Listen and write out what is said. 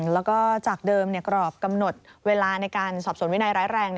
แล้วก็จากเดิมกรอบกำหนดเวลาในการสอบสวนวินัยร้ายแรง